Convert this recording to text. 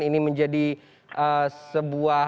ini menjadi sebuah